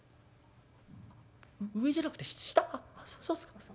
そうっすか。